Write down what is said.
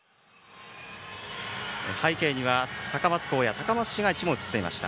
背景には高松港や高松市街地も映っていました。